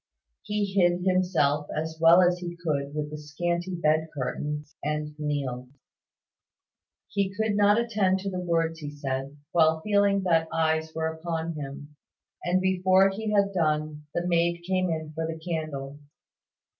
He hid himself as well as he could with the scanty bed curtains, and kneeled. He could not attend to the words he said, while feeling that eyes were upon him; and before he had done, the maid came in for the candle.